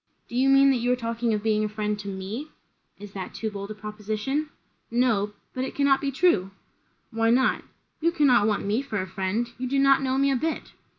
"Do you mean, that you are talking of being a friend to me?" "Is that too bold a proposition?" "No but it cannot be true." "Why not?" "You cannot want me for a friend. You do not know me a bit."